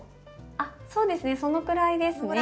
あっそうですねそのぐらいですね。